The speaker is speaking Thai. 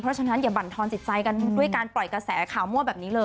เพราะฉะนั้นอย่าบรรทอนจิตใจกันด้วยการปล่อยกระแสข่าวมั่วแบบนี้เลย